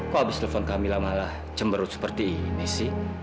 kok abis telepon kak mila malah cemberut seperti ini sih